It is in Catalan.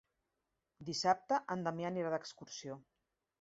Dissabte en Damià anirà d'excursió.